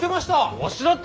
わしだって！